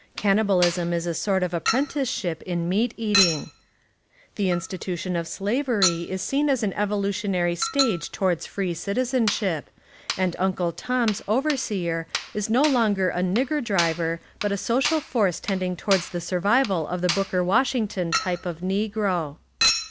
Cannibalism is a sort of apprenticeship in meat eating. The institution of slavery is seen as an evolutionary stage towards free citizenship, and "Uncle Tom's" overseer is no longer a nigger driver but a so cial force tending towards the survival of the Booker Washington type of negro.